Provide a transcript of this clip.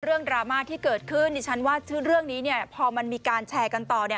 ดราม่าที่เกิดขึ้นดิฉันว่าชื่อเรื่องนี้พอมันมีการแชร์กันต่อ